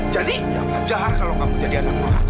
jadi ya wajar kalau kamu jadi anak orang